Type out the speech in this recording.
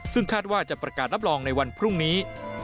ซึ่งคาดว่าจะประกาศรับรองในวันพรุ่งนี้